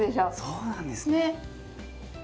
そうなんですね！